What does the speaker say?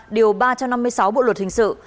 điều ba trăm năm mươi sáu bộ luật hình sự